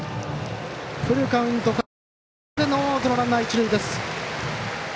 フルカウントからのノーアウト、ランナー、一塁です。